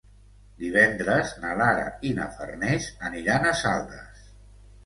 Divendres na Lara i na Farners aniran a Saldes.